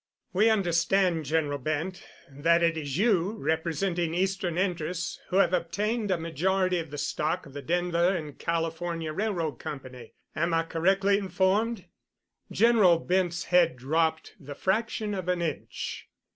"We understand, General Bent, that it is you—representing Eastern interests—who have obtained a majority of the stock of the Denver and California Railroad Company. Am I correctly informed?" General Bent's head dropped the fraction of an inch.